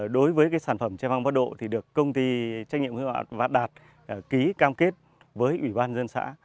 đối với sản phẩm tre băng bắt độ thì được công ty trách nhiệm vạn đạt ký cam kết với ủy ban dân xã